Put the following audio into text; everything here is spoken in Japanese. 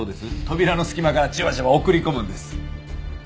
扉の隙間からじわじわ送り込むんです。